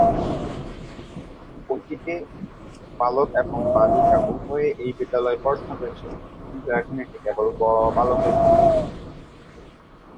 অতীতে, বালক এবং বালিকা উভয়ই এই বিদ্যালয়ে পড়াশোনা করেছে, কিন্তু এখন এটি কেবল বালকদের জন্য।